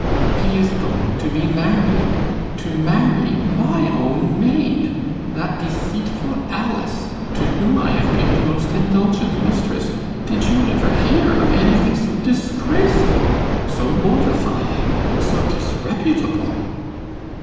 'He is going to be married to marry my own maid, that deceitful Alice, to whom I have been the most indulgent mistress. Did you ever hear of anything so disgraceful? so mortifying? so disreputable?